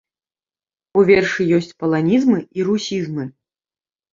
У вершы ёсць паланізмы і русізмы.